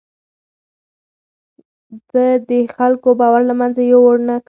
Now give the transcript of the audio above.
ده د خلکو باور له منځه يووړ نه کړ.